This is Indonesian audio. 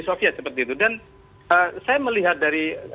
soviet seperti itu dan saya melihat dari